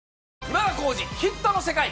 『今田耕司★ヒットの世界』。